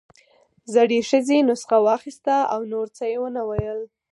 زړې ښځې نسخه واخيسته او نور څه يې ونه ويل.